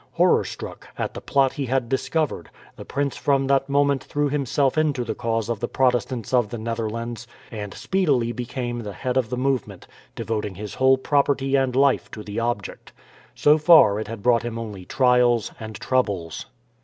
Horror struck at the plot he had discovered, the prince from that moment threw himself into the cause of the Protestants of the Netherlands, and speedily became the head of the movement, devoting his whole property and his life to the object. So far it had brought him only trials and troubles.